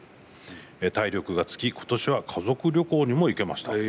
体力がつき今年は家族旅行にも行けました。